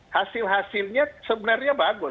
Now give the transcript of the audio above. hasil hasilnya sebenarnya bagus